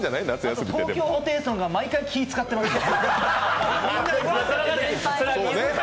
東京ホテイソンが毎回、気を使ってた。